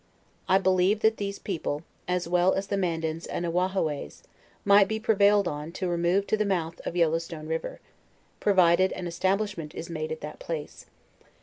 I believe that these people, as well as the Mandans and Ahwahhaways, might be prevailed on to remove to the mouth of Yellow Stone river, provided an establishment is made at that place.